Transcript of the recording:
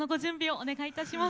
お願いいたします。